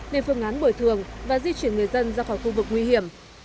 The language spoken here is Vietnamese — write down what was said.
nên phương án bồi thường và di chuyển người dân ra khỏi khu vực nguy hiểm